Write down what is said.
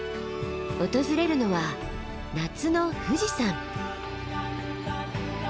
訪れるのは夏の富士山。